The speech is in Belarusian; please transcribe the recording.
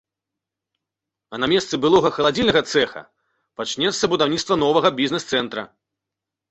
А на месцы былога халадзільнага цэха пачнецца будаўніцтва новага бізнес-цэнтра.